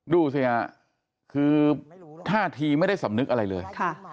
ดูสิฮะคือท่าทีไม่ได้สำนึกอะไรเลย